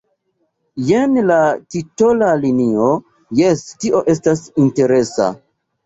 Jen la titola linio — jes, tio estas interesa!